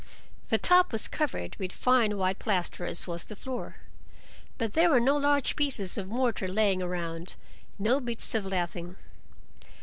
The top was covered with fine white plaster, as was the floor. But there were no large pieces of mortar lying around—no bits of lathing.